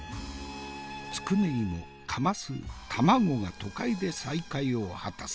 つくね芋カマス卵が都会で再会を果たす。